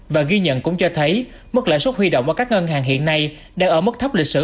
và ghi nhận cũng cho thấy mức lãi suất huy động ở các ngân hàng hiện nay đang ở mức thấp lịch sử